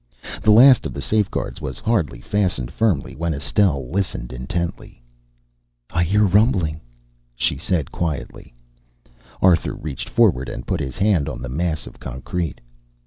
The last of the safeguards was hardly fastened firmly when Estelle listened intently. "I hear a rumbling!" she said quietly. Arthur reached forward and put his hand on the mass of concrete.